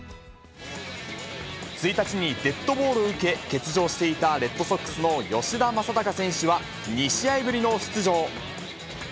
１日にデッドボールを受け、欠場していたレッドソックスの吉田正尚選手は２試合ぶりの出場。